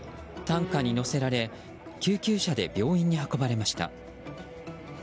担架に乗せられ救急車で病院に運ばれました。